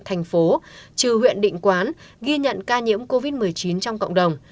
thành phố trừ huyện định quán ghi nhận ca nhiễm covid một mươi chín trong cộng đồng